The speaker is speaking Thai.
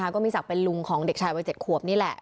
ก็มีศักดิ์เป็นลุงของเด็กชายวัย๗ขวบนี่แหละ